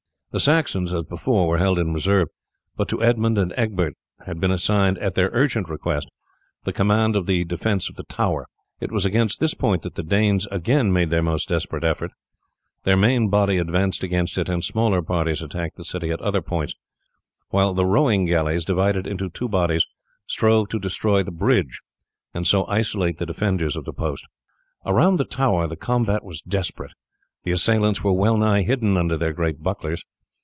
The Saxons, as before, were held in reserve, but to Edmund and Egbert had been assigned, at their urgent request, the command of the defence of the tower. It was against this point that the Danes again made their most desperate effort. Their main body advanced against it, and smaller parties attacked the city at other points, while the rowing galleys, divided into two bodies, strove to destroy the bridge, and so isolate the defenders of the post. Around the tower the combat was desperate. The assailants were well nigh hidden under their great bucklers.